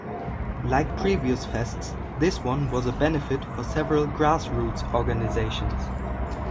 Like previous fests, this one was a benefit for several grassroots organizations.